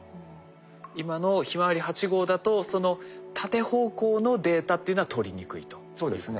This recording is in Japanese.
今のひまわり８号だとその縦方向のデータっていうのは取りにくいということですね。